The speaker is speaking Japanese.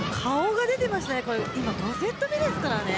今、５セット目ですからね。